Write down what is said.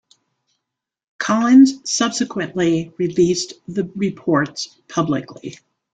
Collins subsequently released the reports publicly.